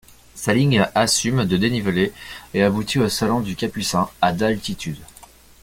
Sa ligne assume de dénivelé et aboutit au Salon du Capucin, à d'altitude.